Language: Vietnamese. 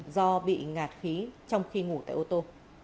do bị ngạt khí trong khi ngủ tại ô tô